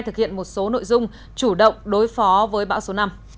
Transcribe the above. thực hiện một số nội dung chủ động đối phó với bão số năm